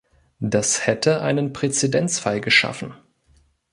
Das hätte einen Präzedenzfall geschaffen.